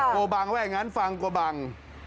โกบังไว้งั้นฟังโกบัง